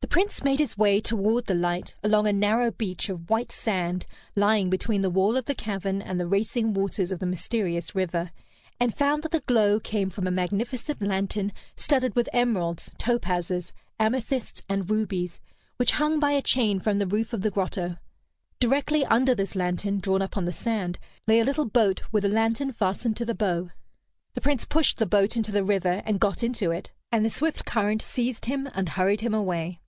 The Prince made his way toward the light, along a narrow beach of white sand lying between the wall of the cavern and the racing waters of the mysterious river, and found that the glow came from a magnificent lantern studded with emeralds, topazes, amethysts, and rubies, which hung by a chain from the roof of the grotto. Directly under this lantern, drawn up on the sand, lay a little boat with a lantern fastened to the bow. The Prince pushed the boat into the river, and got into it, and the swift current seized him and hurried him away.